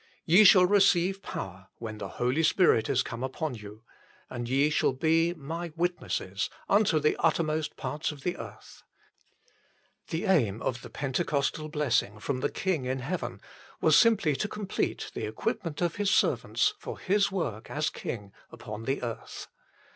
" Ye shall receive power, when the Holy Spirit is come upon you, and ye shall be My witnesses unto the uttermost parts of the earth." l The aim of the pentecostal blessing from the King in heaven was simply to complete the equipment of His servants for His work as King upon the earth.